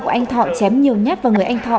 của anh thọ chém nhiều nhát vào người anh thọ